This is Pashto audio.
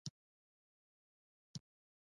د هوا د سمون لپاره وړتیا یې لرله.